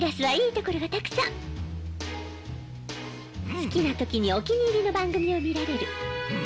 好きな時にお気に入りの番組を見られる。